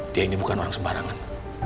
dia ini bukan orang sembarangan